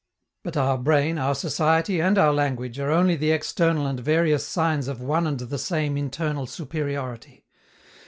But our brain, our society, and our language are only the external and various signs of one and the same internal superiority.